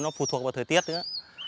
nó phụ thuộc vào thời tiết nữa